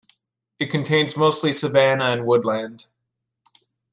It contains mostly savanna and woodland.